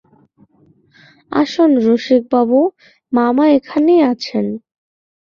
আসুন রসিকবাবু, মামা এইখানেই আছেন।